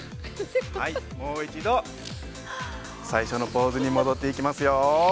◆もう一度、最初のポーズに戻っていきますよ。